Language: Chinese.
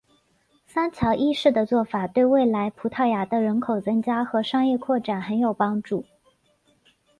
桑乔一世的做法对未来葡萄牙的人口增加和商业扩展很有帮助。